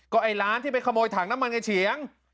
ไอ้ร้านที่ไปขโมยถังน้ำมันไอ้เฉียง